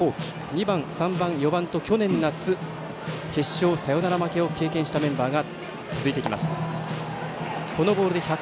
２番、３番、４番と去年夏、決勝サヨナラ負けを経験したメンバーが続いていきます。